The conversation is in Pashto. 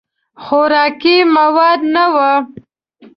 خوراکي مواد نه وو.